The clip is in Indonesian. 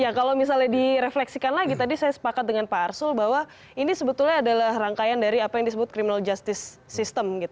ya kalau misalnya direfleksikan lagi tadi saya sepakat dengan pak arsul bahwa ini sebetulnya adalah rangkaian dari apa yang disebut criminal justice system